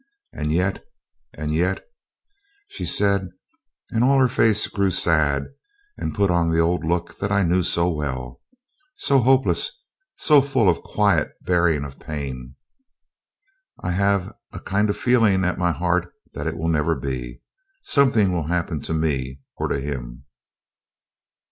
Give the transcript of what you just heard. And yet, and yet,' she said, and all her face grew sad, and put on the old look that I knew so well, so hopeless, so full of quiet bearing of pain, 'I have a kind of feeling at my heart that it will never be. Something will happen to me or to him.